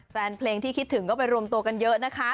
แฟนเพลงที่คิดถึงก็ไปรวมตัวกันเยอะนะคะ